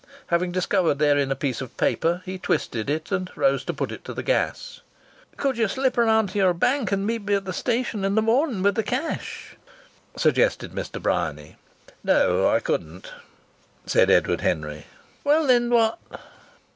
Having discovered therein a piece of paper he twisted it and rose to put it to the gas. "Could you slip round to your bank and meet me at the station in the morning with the cash?" suggested Mr. Bryany. "No, I couldn't," said Edward Henry. "Well, then, what